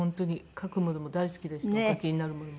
書くものも大好きでしたお書きになるものも。